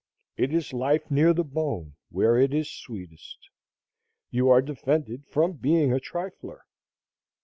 It is life near the bone where it is sweetest. You are defended from being a trifler.